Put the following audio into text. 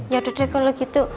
yaudah deh kalo gitu